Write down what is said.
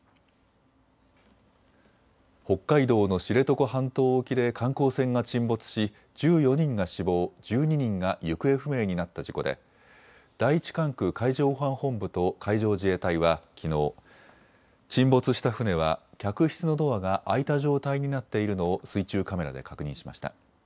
北海道の知床半島沖で観光船が沈没し１４人が死亡、１２人が行方不明になった事故で第１管区海上保安本部と海上自衛隊はきのう、沈没した船は客室のドアが開いた状態になっているのを水中カメラで確認しました。